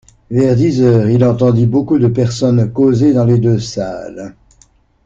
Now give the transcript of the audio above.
Vers dix heures, il entendit beaucoup de personnes causer dans les deux salles.